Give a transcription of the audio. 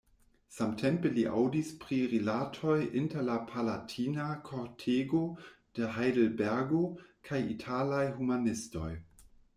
Samtempe li aŭdis pri rilatoj inter la palatina kortego de Hajdelbergo kaj italaj humanistoj.